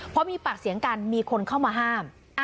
พอมีปากเสียงกันมีคนเข้ามาห้าม